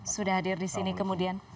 sudah hadir disini kemudian